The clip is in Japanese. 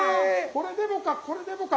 これでもかこれでもか。